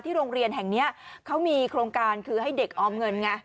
โรงเรียนแห่งนี้เขามีโครงการคือให้เด็กออมเงินไง